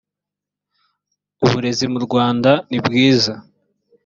uburezi mu rwanda nibwiza